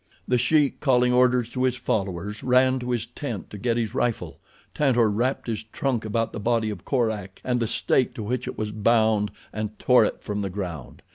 The Sheik, calling orders to his followers, ran to his tent to get his rifle. Tantor wrapped his trunk about the body of Korak and the stake to which it was bound, and tore it from the ground.